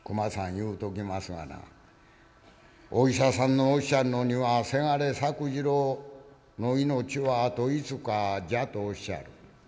言うときますがなお医者さんのおっしゃるのには倅作治郎の命はあと５日じゃとおっしゃる。